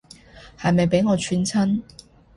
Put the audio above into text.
係咪畀我串親